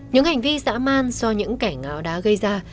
những hành vi dã man do những kẻ ngáo đá gây ra